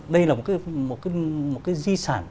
đây là một cái di sản